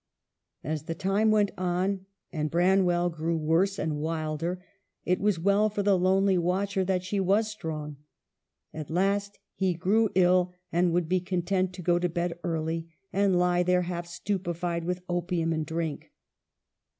As the time went on, and Branwell grew worse and wilder, it was well for the lonely watcher that she was strong. At last he grew ill, and would be content to go to bed early, and lie there half stupefied with opium and drink.